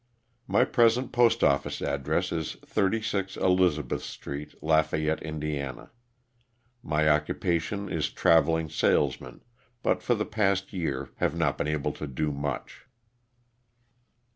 My present post office address is 36 Elizabeth street, La Fayette, Ind. My occupation is traveling sales man, but for the past year have not been able to do much.